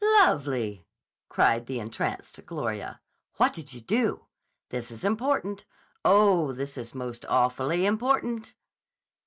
"Lovely!" cried the entranced Gloria. "What did you do? This is important. Oh, this is most awfully important!"